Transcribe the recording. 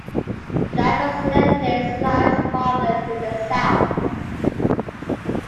The Lacus Lenitatis lies farther to the south.